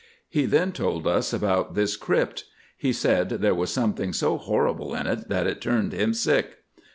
He then told us about this Crypt. He said there was something so horrible in it that it turned him sick.